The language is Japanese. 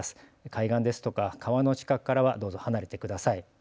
海岸ですとか川の近くからはどうぞ離れてください。